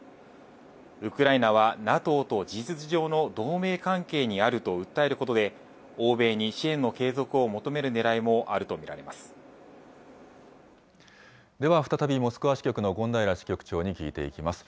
ウクライナはＮＡＴＯと事実上の同盟関係にあると訴えることで、欧米に支援の継続を求めるねらいでは再びモスクワ支局の権平支局長に聞いていきます。